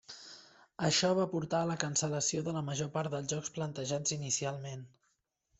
Això va portar a la cancel·lació de la major part dels jocs planejats inicialment.